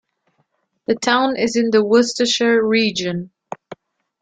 The town is in the Worcestershire region.